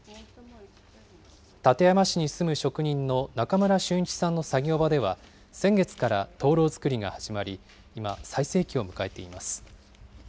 館山市に住む職人の中村俊一さんの作業場では、先月から灯籠作りが始まり、今、最盛期を迎えています。